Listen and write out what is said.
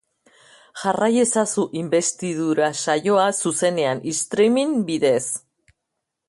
Jarrai ezazu inbestidura saioa, zuzenean, streaming bidez.